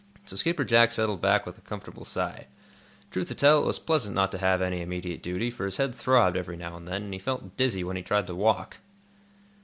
So Skipper Jack settled back with a comfortable sigh. Truth to tell, it was pleasant not to have any immediate duty, for his head throbbed, every now and then, and he felt dizzy when he tried to walk.